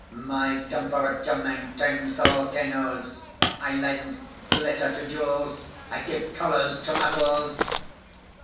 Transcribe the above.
My temperature maintains the volcanoes: I lend glitter to jewels: I give colours to metals!"